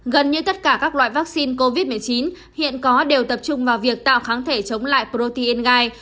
gần như tất cả các loại vaccine covid một mươi chín hiện có đều tập trung vào việc tạo kháng thể chống lại protein gai